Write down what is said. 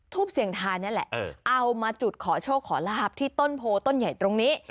เสียงทายนี่แหละเอามาจุดขอโชคขอลาบที่ต้นโพต้นใหญ่ตรงนี้